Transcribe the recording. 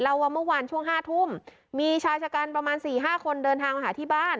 ว่าเมื่อวานช่วง๕ทุ่มมีชายชะกันประมาณสี่ห้าคนเดินทางมาหาที่บ้าน